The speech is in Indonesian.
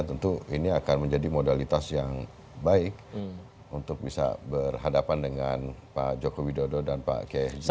tentu ini akan menjadi modalitas yang baik untuk bisa berhadapan dengan pak joko widodo dan pak kiai haji